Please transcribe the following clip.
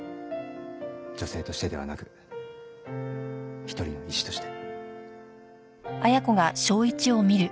女性としてではなく一人の医師として。